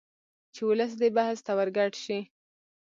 چې ولس دې بحث ته ورګډ شي